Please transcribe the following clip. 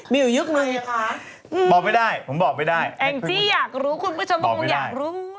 มีอยู่ยุคหนึ่งบอกไม่ได้อันจี้อยากรู้บางชั่วโมคมอยากรู้